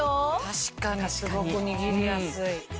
確かにすごく握りやすい。